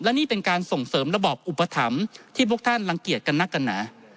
และนี่เป็นการส่งเสริมระบอบอุปถัมภ์ที่พวกท่านรังเกียจกันนักกันหนา